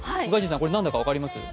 これ何だか分かります？